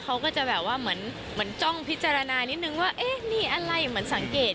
เขาก็จะแบบว่าเหมือนจ้องพิจารณานิดนึงว่าเอ๊ะนี่อะไรเหมือนสังเกต